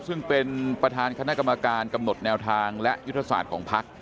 ซึ่งเป็นประธานคณะกรรมการกำหนดแนวทางและยุทธศาสตร์ของพัก